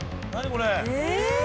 これ。